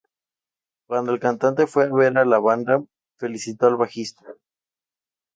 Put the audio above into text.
Cuando el cantante fue a ver a la banda, felicitó al bajista.